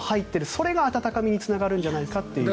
それが温かみにつながるんじゃないかという。